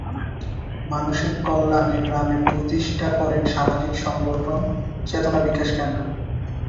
মানুষের কল্যাণে গ্রামে প্রতিষ্ঠা করেন সামাজিক সংগঠন "চেতনা বিকাশ কেন্দ্র"।